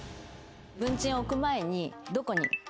文鎮を置く前にどこに書くか。